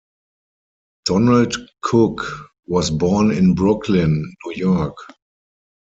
Donald Cook was born in Brooklyn, New York.